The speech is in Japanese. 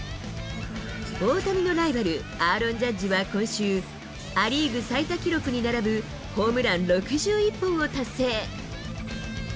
大谷のライバル、アーロン・ジャッジは今週、ア・リーグ最多記録に並ぶホームラン６１本を達成。